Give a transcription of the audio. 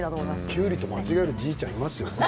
きゅうりと間違えるおじいちゃん、いますよ。